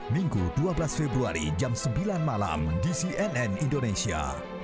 minggu dua belas februari jam sembilan malam di cnn indonesia